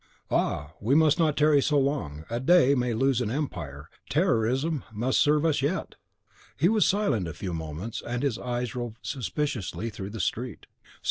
"Ah, we must not tarry so long; a day may lose an empire: terrorism must serve us yet!" He was silent a few moments, and his eyes roved suspiciously through the street. "St.